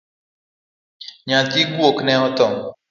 Nyathi guok ne otho